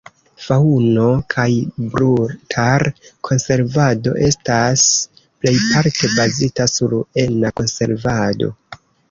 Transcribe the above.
Faŭno- kaj brutar-konservado estas plejparte bazita sur ena konservado.